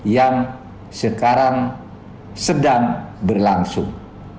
yang sekarang sedang berlangsung